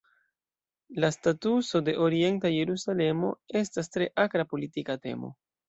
La statuso de Orienta Jerusalemo estas tre akra politika temo.